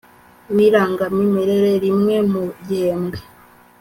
w irangamimerere rimwe mu gihembwe